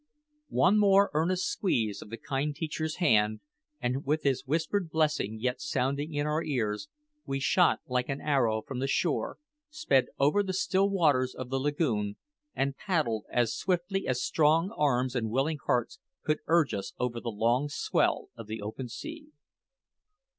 One more earnest squeeze of the kind teacher's hand, and with his whispered blessing yet sounding in our ears, we shot like an arrow from the shore, sped over the still waters of the lagoon, and paddled as swiftly as strong arms and willing hearts could urge us over the long swell of the open sea.